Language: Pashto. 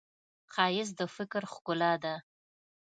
ښایست د فکر ښکلا ده